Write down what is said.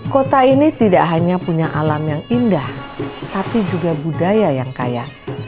kota ini tidak hanya punya alam yang indah tapi juga budaya yang kaya